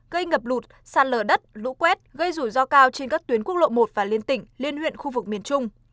gây ngập lụt sạt lở đất lũ quét gây rủi ro cao trên các tuyến quốc lộ một và liên tỉnh liên huyện khu vực miền trung